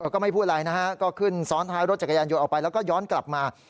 ก็ไม่พูดอะไรนะฮะก็ขึ้นซ้อนท้ายรถจักรยานยนต์ออกไปแล้วก็ย้อนกลับมา